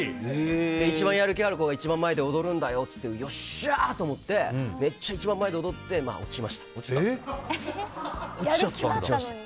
一番やる気がある子が一番前で踊るんだよって言われてよっしゃ！と思ってめっちゃ一番前で踊って落ちちゃったの？